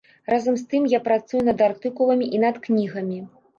Разам з тым я працую над артыкуламі і над кнігамі.